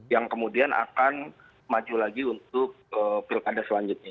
yang kemudian akan maju lagi untuk pilkada selanjutnya